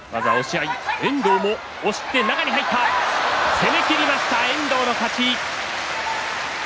攻めきりました遠藤の勝ち。